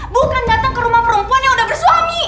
bukan datang ke rumah perempuan yang udah bersuami